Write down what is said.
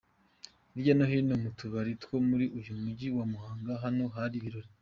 Hirya no hino mu tubari two muri uyu Mujyi wa Muhanga naho hari ibirori.